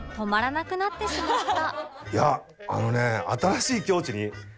いやあのね新しい境地に。